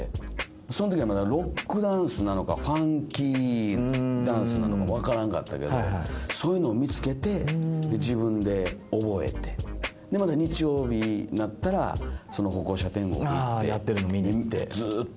そんときはまだロックダンスなのかファンキーダンスなのか分からんかったけどそういうの見つけて自分で覚えてでまた日曜日になったらその歩行者天国に行ってずっと。